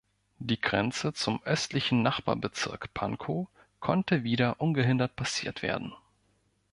Die Grenze zum östlichen Nachbarbezirk Pankow konnte wieder ungehindert passiert werden.